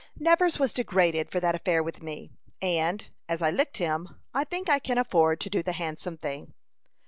"Nevers was degraded for that affair with me; and, as I licked him, I think I can afford to do the handsome thing."